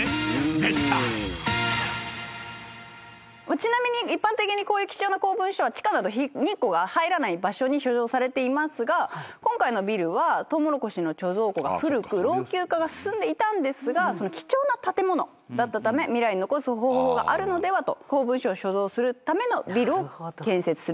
ちなみに一般的にこういう貴重な公文書は地下など日光が入らない場所に所蔵されていますが今回のビルはトウモロコシの貯蔵庫が古く老朽化が進んでいたんですが貴重な建物だったため未来に残す方法があるのではと公文書を所蔵するためのビルを建設することが決まったそうです。